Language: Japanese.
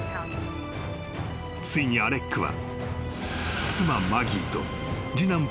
［ついにアレックは］